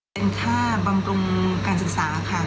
เป็นค่าบำรุงการศึกษาค่ะ